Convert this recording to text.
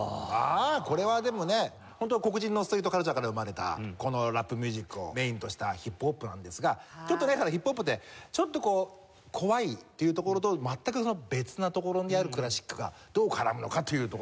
これはでもねホントは黒人のストリートカルチャーから生まれたこのラップミュージックをメインとしたヒップホップなんですがちょっとねヒップホップってちょっと怖いっていうところと全く別なところにあるクラシックがどう絡むのかというところで。